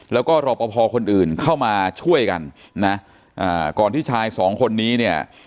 แล้วก็รอปภคนอื่นเข้ามาช่วยกันนะอ่าก่อนที่ชายสองคนนี้เนี่ย